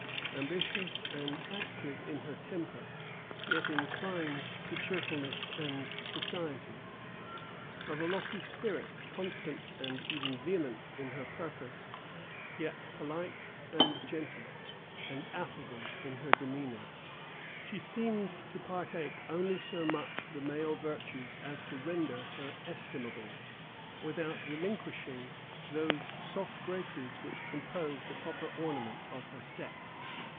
Ambitious and active in her temper, yet inclined to cheerfulness and society; of a lofty spirit, constant and even vehement in her purpose, yet polite, and gentle, and affable in her demeanor; she seemed to partake only so much of the male virtues as to render her estimable, without relinquishing those soft graces which compose the proper ornament of her sex.